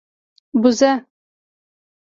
🐐 بزه